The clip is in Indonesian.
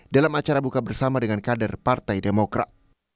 dalam acara buka bersama dengan kader partai demokrat